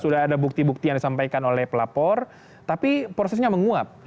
sudah ada bukti bukti yang disampaikan oleh pelapor tapi prosesnya menguap